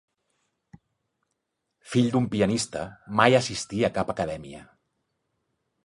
Fill d'un pianista, mai assistí a cap acadèmia.